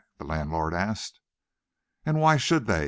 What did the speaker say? the landlord asked. "And why should they?"